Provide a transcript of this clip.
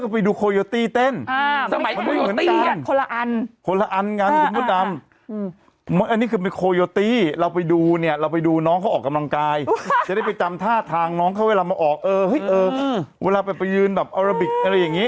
ริสตัลโรงรินทร์น้ำยาบ่วนปากขายกันเกรี่ยง